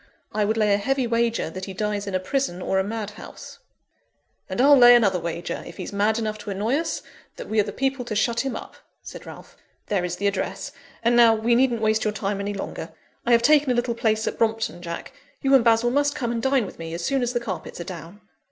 I would lay a heavy wager that he dies in a prison or a madhouse." "And I'll lay another wager, if he's mad enough to annoy us, that we are the people to shut him up," said Ralph. "There is the address. And now, we needn't waste your time any longer. I have taken a little place at Brompton, Jack, you and Basil must come and dine with me, as soon as the carpets are down."